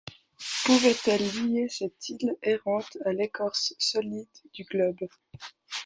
Pouvait-elle lier cette île errante à l’écorce solide du globe?